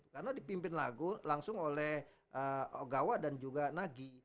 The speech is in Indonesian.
karena dipimpin lagu langsung oleh ogawa dan juga nagi